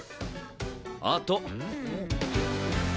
あと。